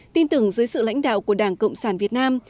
tin tưởng dưới sự lãnh đạo của đảng cộng sản việt nam